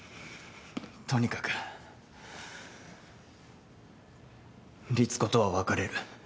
とにかくリツコとは別れる。